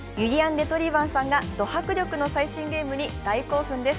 レトリィバァさんがド迫力の最新ゲームに大興奮です。